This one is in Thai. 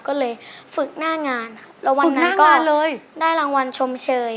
ก็เลยฝึกหน้างานแล้ววันนั้นก็ได้รางวัลชมเชย